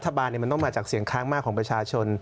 รัฐบาลมันต้องมาจากเสียงข้างมากของประชาชน